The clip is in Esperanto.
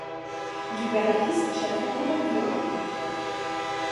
Li verkis ĉefe komediojn.